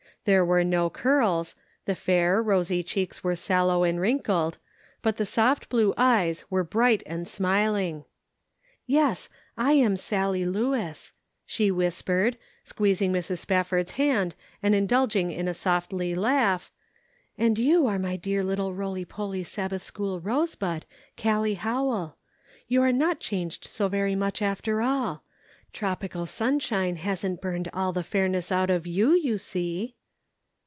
There were no curls ; the fair, rosy cheeks were sallow and wrinkled, but the blue eyes were bright and smiling. " Yes, I am Sallie Lewis," she whispered, squeezing Mrs. Spafford's hand and indulging in a softly laugh, " and you are my dear little roly poly Sabbath school rosebud, Gallic Howell. You are not changed so very much after all. Tropical sunshine hasn't burned all the fairness out of you, you see."